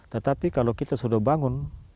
tetapi kalau kita sudah bangun